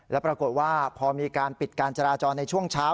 แล้วปรากฏว่าพอมีการปิดการจราจรในช่วงเช้า